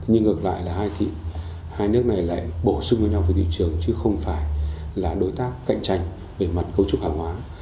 nhưng ngược lại là hai thị hai nước này lại bổ sung với nhau về thị trường chứ không phải là đối tác cạnh tranh về mặt cấu trúc hàng hóa